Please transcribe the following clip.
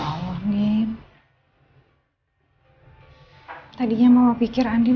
kau mau kerja nuevosrawan panjang